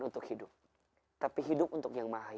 itu bukan tempat yang kita lakukan